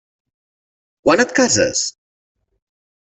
Quan et cases?